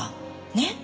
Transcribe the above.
ねっ？